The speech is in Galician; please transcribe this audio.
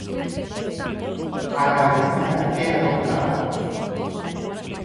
A cadeliña é adoptada.